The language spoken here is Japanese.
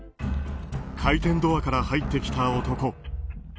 回転ドアから入ってきた男。